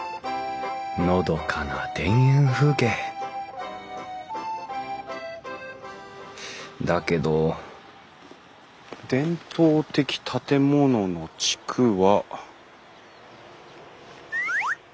のどかな田園風景だけど伝統的建物の地区は。